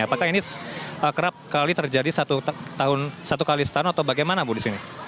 apakah ini kerap kali terjadi satu kali setahun atau bagaimana bu di sini